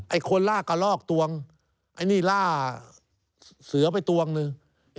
คนล่ากระลอกตวงไอ้นี่ล่าเสือไปตวงหนึ่ง